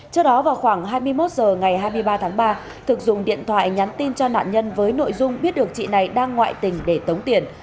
trước đó vào khoảng hai mươi một h ngày hai mươi ba tháng ba thực dùng điện thoại nhắn tin cho nạn nhân với nội dung biết được chị này đang ngoại tình để tống tiền